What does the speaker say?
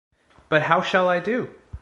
But how shall I do?